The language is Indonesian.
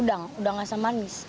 udang udang asam manis